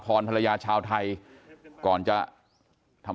กลุ่มตัวเชียงใหม่